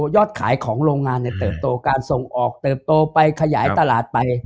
ยอดขายของโรงงานเติบโตการส่งออกเติบโตไปขยายตลาดไป